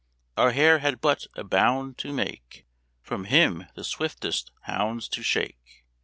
Our Hare had but a bound to make, From him the swiftest hounds to shake.